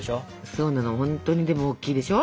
そうなのほんとにでもおっきいでしょ。